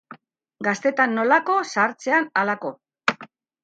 Gaztetan nolako, zahartzean halako.